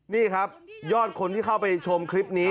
นี่ครับยอดคนที่เข้าไปชมคลิปนี้